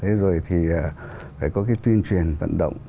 thế rồi thì phải có cái tuyên truyền vận động